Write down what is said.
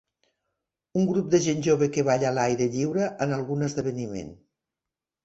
Un grup de gent jove que balla a l'aire lliure en algun esdeveniment